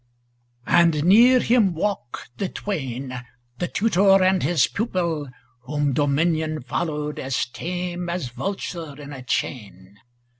' And near him walk the twain, 260 The tutor and his pupil, whom Dominion Followed as tame as vulture in a chain.